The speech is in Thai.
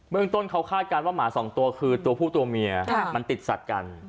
เมืองต้นเขาคาดการณ์ว่าหมาสองตัวคือตัวผู้ตัวเมียมันติดสัตว์กัน